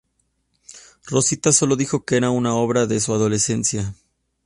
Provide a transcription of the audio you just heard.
Rosita solo dijo que era una obra de su adolescencia.